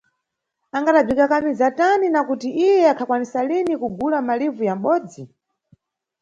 Angadabzikakamiza tani, nakuti iye akhakwanisa lini kugula malivu ya mʼbodzi?